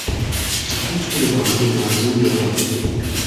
Předtím studoval na gymnáziu v Jihlavě.